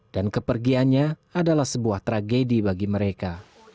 dan kepergiannya adalah sebuah tragedi bagi mereka